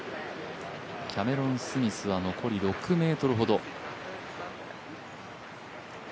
キャメロン・スミスは残り６ｍほど。